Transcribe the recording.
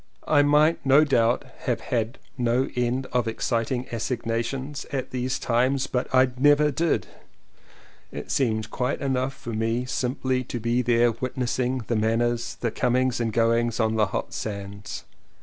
I might no doubt have had no end of exciting assignations at these times but I never did; it seemed quite enough for me simply to be there witnessing the man ners, the comings and goings on the hot sands.